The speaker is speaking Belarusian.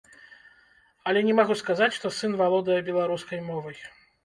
Але не магу сказаць, што сын валодае беларускай мовай.